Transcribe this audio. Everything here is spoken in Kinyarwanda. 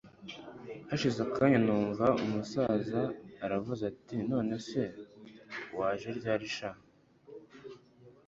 hashize akanya numva umusaza aravuze ati nonese se waje ryari sha!